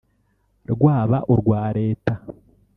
rwaba urwa leta